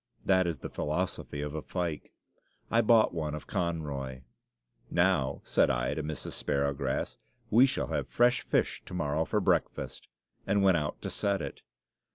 That is the philosophy of a fyke. I bought one of Conroy. "Now," said I to Mrs. Sparrowgrass, "we shall have fresh fish to morrow for breakfast," and went out to set it.